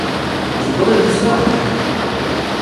Zıguere jjıs'e xhunu?